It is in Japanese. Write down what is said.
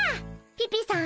ピピさん